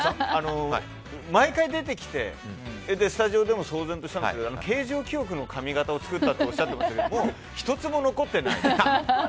毎回出てきてスタジオでも騒然としたんですが形状記憶の髪形を作ったっておっしゃってましたけども１つも残ってないですよ。